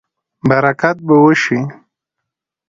برکت به وشي